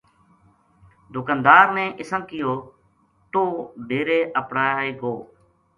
دکاندار نے اِساں کہیو ـ" توہ ڈیرے اپڑائے گو